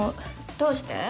どうして？